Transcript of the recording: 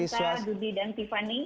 selamat pagi waktu jakarta budi dan tiffany